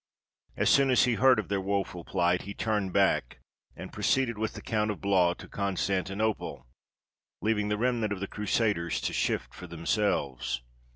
As soon as he heard of their woful plight, he turned back, and proceeded with the Count of Blois to Constantinople, leaving the remnant of the Crusaders to shift for themselves.